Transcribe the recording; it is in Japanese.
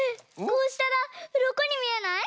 こうしたらうろこにみえない？